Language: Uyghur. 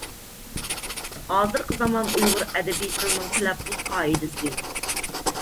ھازىرقى زامان ئۇيغۇر ئەدەبىي تىلىنىڭ تەلەپپۇز قائىدىسى